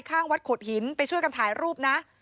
กับหินไปช่วยกันถ่ายรูปนะ